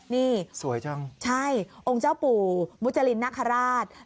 นี่ใช่องค์เจ้าปู่มุจรินนครราชสวยจัง